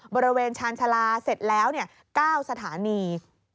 บริเวณชาญชาลาเสร็จแล้ว๙สถานี